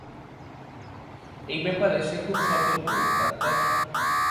এই ব্যাপারে সে খুব সতর্ক, ডাক্তার।